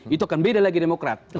itu akan beda lagi demokrat